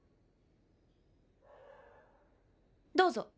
どうぞ。